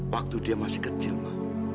waktu dia masih kecil mah